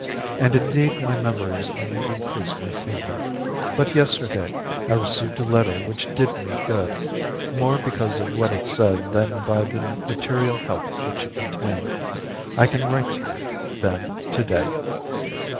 And indeed my memories only increase my fever, but yesterday I received a letter which did me good, more because of what it said than by the material help which it contained. I can write to you, then, to day.